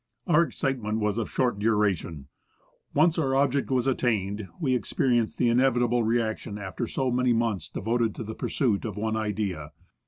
Our excitement was of short duration. Once our object attained, we experienced the inevitable reaction after so many months devoted to the pursuit of one idea.